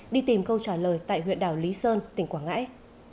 đi tìm câu trả lời tại huyện đảo lý sơn tỉnh quảng ngãi